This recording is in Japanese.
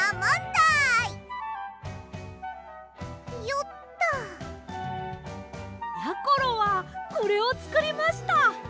よっと！やころはこれをつくりました！